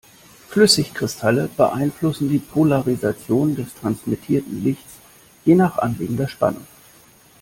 Flüssigkristalle beeinflussen die Polarisation des transmittierten Lichts je nach anliegender Spannung.